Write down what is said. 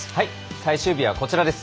最終日はこちらです。